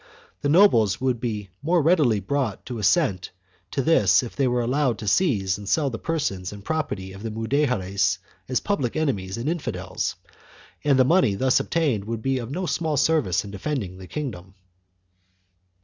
The nobles would be more readily brought to assent to this if they were allowed to seize and sell the persons and property of the Mude jares as public enemies and infidels, and the money thus obtained would be of no small service in defending the kingdom."